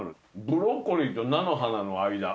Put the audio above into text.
ブロッコリーと菜の花の間。